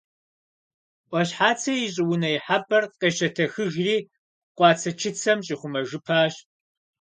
Ӏуащхьацэ и щӀыунэ ихьэпӀэр къещэтэхыжри, къуацэчыцэм щӀихъумэжыпащ.